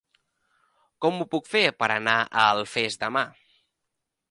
Com ho puc fer per anar a Alfés demà?